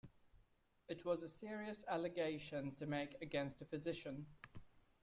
It was a serious allegation to make against a physician.